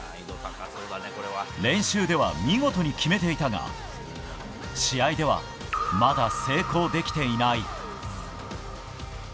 練習では見事に決めていたが試合では、まだ成功できていない。